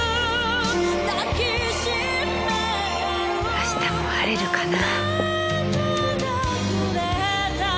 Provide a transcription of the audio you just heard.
明日も晴れるかな？